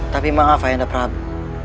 tapi maaf ayah handa prabu